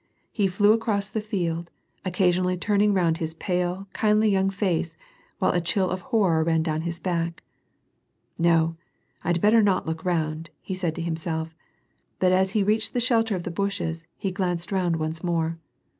• he flew acroj s the field, occasionally turning round his i>ale, kindly youn^r face, while a chill of horror ran down his back. "No, Vd better not look round," he paid to himself, V>ut as he reached the shelter of the bushes, Ije fO'*^n('^d round once inore.